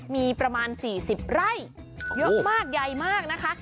มีประมาณ๔๐ไร่เยอะมากใหญ่มากนะคะ